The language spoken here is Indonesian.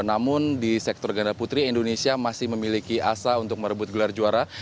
namun di sektor ganda putri indonesia masih memiliki asa untuk merebut gelar juara